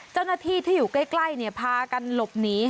เจ้าหน้าที่ที่อยู่ใกล้พากันหลบหนี